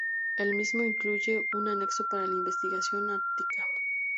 El mismo incluye un anexo para la investigación ártica.